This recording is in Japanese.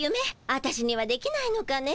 アタシにはできないのかね。